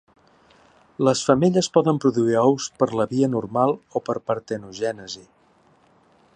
Les femelles poden produir ous per la via normal o per partenogènesi.